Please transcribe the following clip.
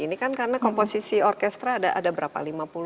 ini kan karena komposisi orkestra ada berapa